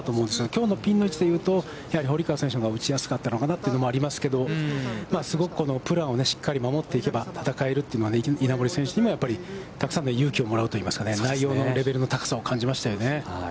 きょうのピンの位置で言うと、やはり堀川選手のほうが打ちやすかったのかなというのはありますけど、すごくプランをしっかり守っていけば戦えるというのは稲森選手にもたくさんの勇気をもらうといいますか、内容のレベルの高さを感じましたよね。